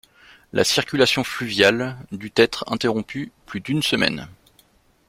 La circulation fluviale dut être interrompue plus d'une semaine.